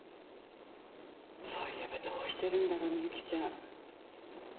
そういえばどうしてるんだろう美雪ちゃん。